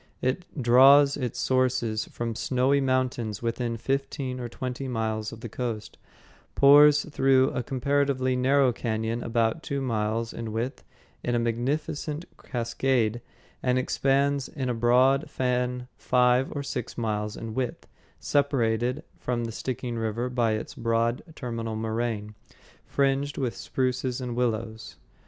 It draws its sources from snowy mountains within fifteen or twenty miles of the coast, pours through a comparatively narrow cañon about two miles in width in a magnificent cascade, and expands in a broad fan five or six miles in width, separated from the Stickeen River by its broad terminal moraine, fringed with spruces and willows.